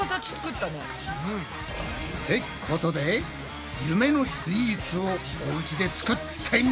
ってことで夢のスイーツをおうちで作ってみよう！